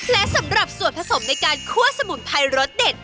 และสำหรับส่วนผสมในการคั่วสมุนไพรรสเด็ด